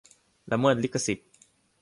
ละเมิดลิขสิทธิ์